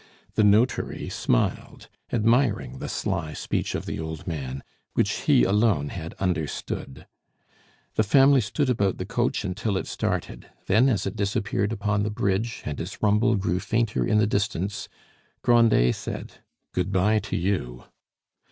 The notary smiled, admiring the sly speech of the old man, which he alone had understood. The family stood about the coach until it started; then as it disappeared upon the bridge, and its rumble grew fainter in the distance, Grandet said: "Good by to you!"